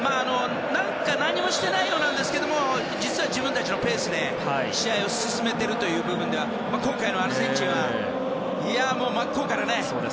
何もしていないようなんですけど実は自分たちのペースで試合を進めているという部分では今回のアルゼンチンはもう、真っ向からね。